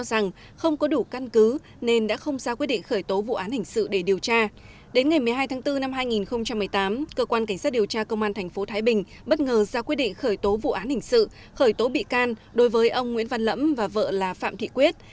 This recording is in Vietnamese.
bất ngờ ra quyết định khởi tố vụ án hình sự khởi tố bị can đối với ông nguyễn văn lẫm và vợ là phạm thị quyết